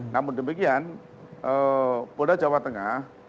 namun demikian polda jawa tengah